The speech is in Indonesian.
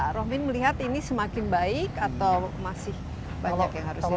rohmin melihat ini semakin baik atau masih banyak yang harus dilakukan